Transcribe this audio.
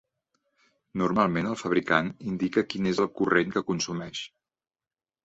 Normalment el fabricant indica quin és el corrent que consumeix.